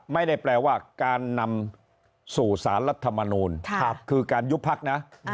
ไม่ได้แปลว่าการนำสู่สารรัฐมนูลคือการยุบพักนะ